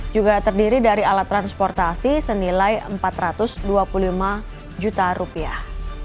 juga terdiri dari alat transportasi senilai empat ratus dua puluh lima juta rupiah